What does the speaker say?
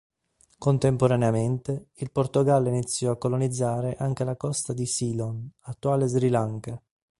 Contemporaneamente, il Portogallo inizio a colonizzare anche la costa di Ceylon, attuale Sri Lanka.